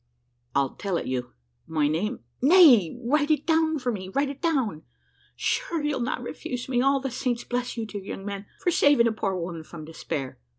"I'll tell it you. My name " "Nay, write it down for me write it down. Sure you'll not refuse me. All the saints bless you, dear young man, for saving a poor woman from despair!"